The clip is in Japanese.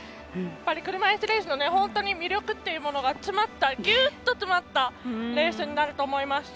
車いすレースの魅力ってものがぎゅっと詰まったレースになると思いますし。